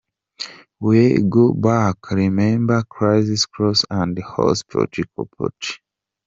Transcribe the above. We go back, remember criss-cross and hopscotch, hopscotch?.